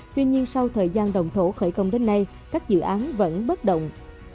tuy nhiên sau thời gian đồng thổ khởi công đến nay các dự án vẫn bất động